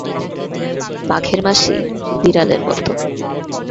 বাঘের মাসি বিড়ালের মত।